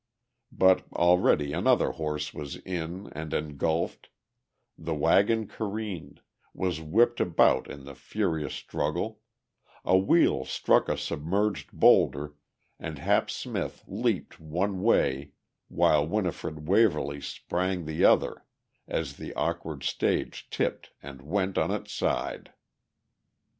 But already another horse was in and engulfed, the wagon careened, was whipped about in the furious struggle, a wheel struck a submerged boulder and Hap Smith leaped one way while Winifred Waverly sprang the other as the awkward stage tipped and went on its side.